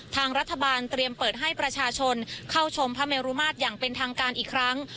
ทางรัฐบาลเตรียมเปิดให้ประชาชนเข้าชมพระเมรุมาตรอย่างเป็นทางการอีกครั้ง